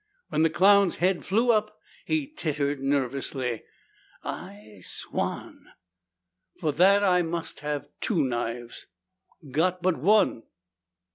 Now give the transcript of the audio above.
When the clown's head flew up, he tittered nervously. "I swan!" "For that I must have two knives." "Got but one."